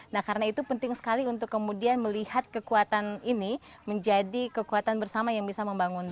nah karena itu penting sekali untuk kemudian melihat kekuatan ini menjadi kekuatan bersama yang bisa membangun